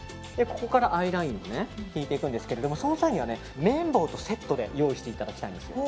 ここからアイラインを引いていくんですけどその際には、綿棒とセットで用意していただきたいんです。